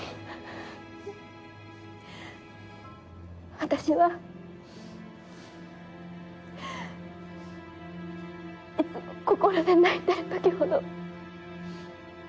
私はいつも心で泣いてる時ほど。